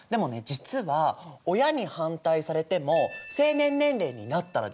実は親に反対されても成年年齢になったらですよ